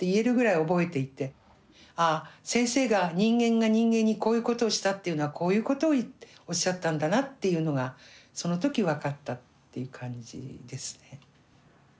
ああ先生が人間が人間にこういうことをしたっていうのはこういうことをおっしゃったんだなっていうのがその時分かったっていう感じですね。